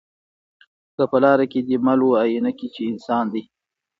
که په لاره کی دي مل وو آیینه کي چي انسان دی